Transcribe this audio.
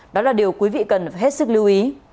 đó là điều quý vị cần phải hết sức lưu ý